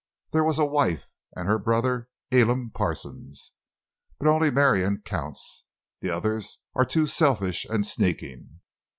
There was a wife and her brother, Elam Parsons. But only Marion counts. The others were too selfish and sneaking.